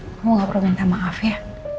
kamu gak perlu minta maaf ya